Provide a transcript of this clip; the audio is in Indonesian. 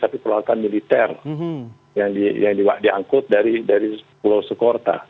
tapi peralatan militer yang diangkut dari pulau sukorta